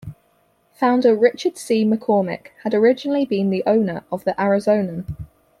Founder Richard C. McCormick had originally been the owner of the "Arizonan".